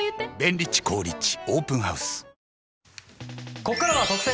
ここからは特選！！